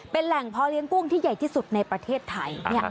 เป็นแหล่งเพาะเลี้ยงกุ้งที่ใหญ่ที่สุดในประเทศไทย